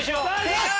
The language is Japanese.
正解！